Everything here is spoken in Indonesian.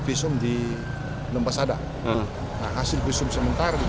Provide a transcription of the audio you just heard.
visum berubah kembali ke rumah sakit terdekat guna dilakukan visum ditemukan oleh masyarakat